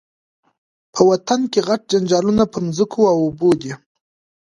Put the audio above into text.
په وطن کي غټ جنجالونه پر مځکو او اوبو دي